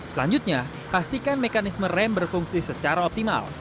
selanjutnya pastikan mekanisme rem berfungsi secara optimal